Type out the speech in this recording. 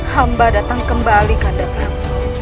hamba datang kembali kandang